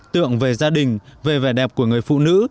tượng về gia đình về vẻ đẹp của người phụ nữ